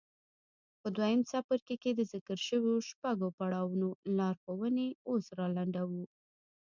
په دويم څپرکي کې د ذکر شويو شپږو پړاوونو لارښوونې اوس را لنډوو.